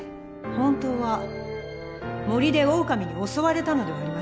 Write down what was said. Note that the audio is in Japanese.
本当は森でオオカミに襲われたのではありませんか？